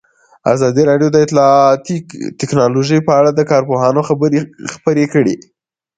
ازادي راډیو د اطلاعاتی تکنالوژي په اړه د کارپوهانو خبرې خپرې کړي.